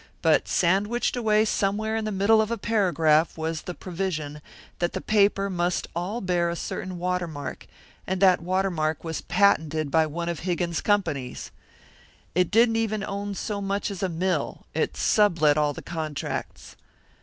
But sandwiched away somewhere in the middle of a paragraph was the provision that the paper must all bear a certain watermark; and that watermark was patented by one of Higgins's companies! It didn't even own so much as a mill it sublet all the contracts.